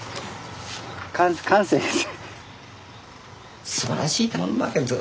感性です。